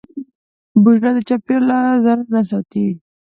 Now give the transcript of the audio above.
بوټونه د چاپېریال له ضرر نه ساتي.